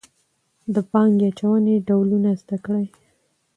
د پانګې اچونې ډولونه زده کړئ.